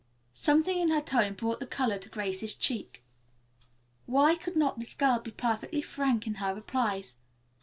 Something in her tone brought the color to Grace's cheeks. Why could not this girl be perfectly frank in her replies?